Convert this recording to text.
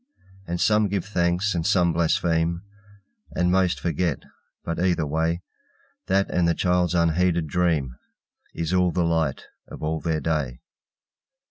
And give some thanks, and some blaspheme, And most forget, but, either way, That and the child's unheeded dream Is all the light of all their day.